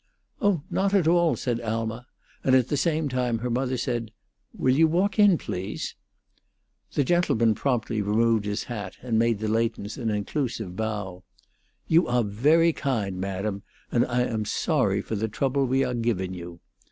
"Oh, not at all," said Alma; and at the same time her mother said, "Will you walk in, please?" The gentleman promptly removed his hat and made the Leightons an inclusive bow. "You awe very kind, madam, and I am sorry for the trouble we awe giving you."